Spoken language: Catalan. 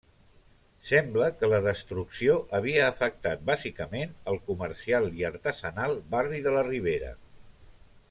Sembla que la destrucció havia afectat bàsicament el comercial i artesanal barri de la Ribera.